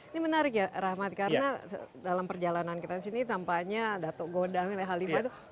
ini menarik ya rahmat karena dalam perjalanan kita disini tampaknya dato' godah halimah itu